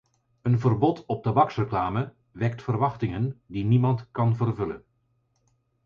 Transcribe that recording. Een verbod op tabaksreclame wekt verwachtingen die niemand kan vervullen.